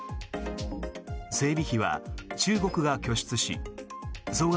整備費は中国が拠出し総額